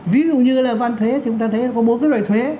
ví dụ như là van thuế thì chúng ta thấy có bốn cái loại thuế